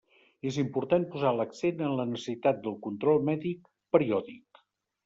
És important posar l'accent en la necessitat del control mèdic periòdic.